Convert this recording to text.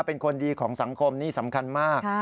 เป็นคนดีของสังคมนี่สำคัญมาก